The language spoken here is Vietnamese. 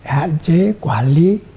hạn chế quản lý